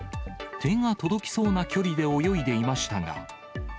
手が届きそうな距離で泳いでいましたが。